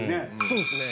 そうですね。